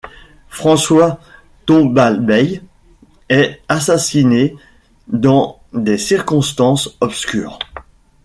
François Tombalbaye est assassiné dans des circonstances obscures.